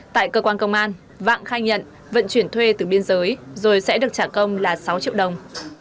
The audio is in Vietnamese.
tại cơ quan công an vạng khai nhận vận chuyển thuê từ biên giới rồi sẽ được trả công là sáu triệu đồng